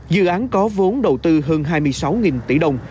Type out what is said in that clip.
dự án có vốn đầu tư hơn hai mươi sáu tỷ đồng